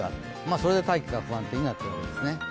それで大気が不安定になっているんですね。